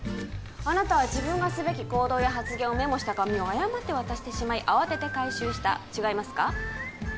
あなたは自分がすべき行動や発言をメモした紙を誤って渡してしまい慌てて回収した違いますか？